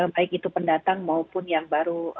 baik itu pendatang maupun yang baru